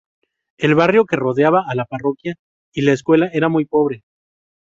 El barrio que rodeaba a la parroquia y la escuela era muy pobre.